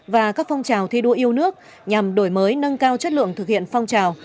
và các phong trào thi đua yêu nước nhằm đổi mới nâng cao chất lượng thực hiện phong trào